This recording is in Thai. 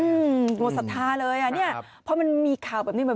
อืมตัวศรัทธาเลยอ่ะเนี้ยเพราะมันมีข่าวแบบนี้แบบ